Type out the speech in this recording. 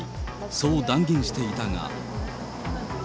そう断言していたが。